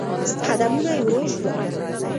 قدمونه يې ورو شول.